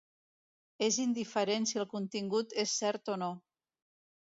És indiferent si el contingut és cert o no.